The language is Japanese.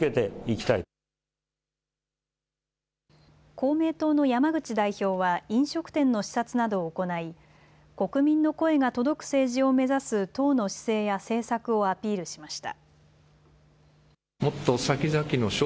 公明党の山口代表は飲食店の視察などを行い国民の声が届く政治を目指す党の姿勢や政策をアピールしました。